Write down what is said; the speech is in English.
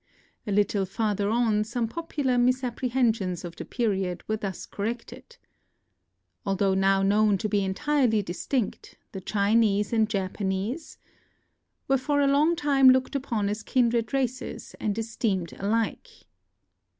A little farther on, some popular misapprehensions of the period were thus cor rected :" Although now known to be entirely distinct, the Chinese and Japanese ... were for a long time looked upon as kindred races, and esteemed alike.